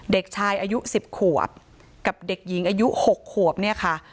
เด็กชายอายุ๑๐ขวบกับเด็กหญิงอายุ๖ขวบเนี่ยค่ะ